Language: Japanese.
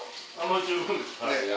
十分です。